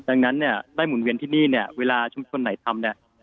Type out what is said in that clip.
ดังนั้นเนี่ยได้หมุนเวียนที่นี่เนี่ยเวลาชุมชนไหนทำเนี่ย